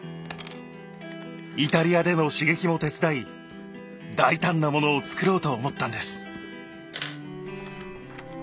イタリアでの刺激も手伝い大胆なものを作ろうと思ったんです。